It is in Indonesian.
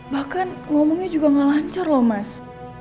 bahkan ngomongnya juga gak lancar loh mas